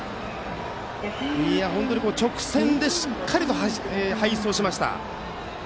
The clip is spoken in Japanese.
本当に、直線でしっかり背走しました。